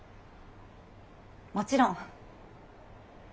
もちろん。